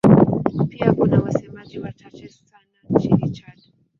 Pia kuna wasemaji wachache sana nchini Chad.